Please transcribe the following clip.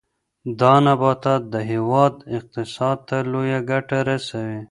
دا نبات د هېواد اقتصاد ته لویه ګټه رسوي.